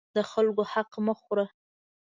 د خلکو حق مه خوره.